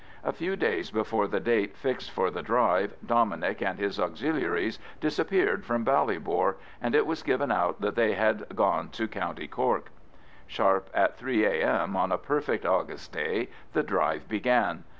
A few days before the date fixed for the drive Dominic and his Auxiliaries disappeared from Ballybor, and it was given out that they had gone to Co. Cork. Sharp at 3 A.M., on a perfect August day, the drive began.